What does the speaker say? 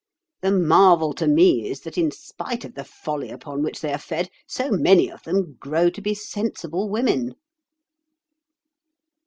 The marvel to me is that, in spite of the folly upon which they are fed, so many of them grow to be sensible women."